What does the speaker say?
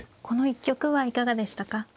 この一局はいかがでしたか。